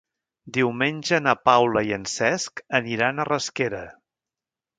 Diumenge na Paula i en Cesc aniran a Rasquera.